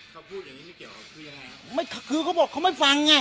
เขาพูดอย่างงี้ไม่เกี่ยวกับคือยังไงไม่คือเขาบอกเขาไม่ฟังไง